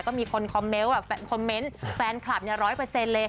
ก็มีคนคอมเมนต์แฟนคลับร้อยเปอร์เซ็นต์เลย